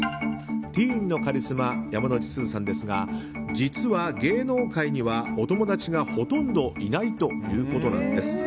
ティーンのカリスマ山之内すずさんですが実は、芸能界にはお友達がほとんどいないということなんです。